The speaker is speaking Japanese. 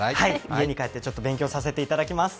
家に帰って勉強させていただきます。